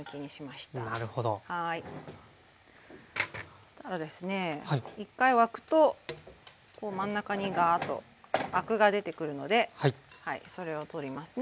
そしたらですね一回沸くと真ん中にガーッとアクが出てくるのでそれを取りますね。